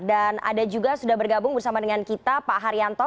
dan ada juga sudah bergabung bersama dengan kita pak haryanto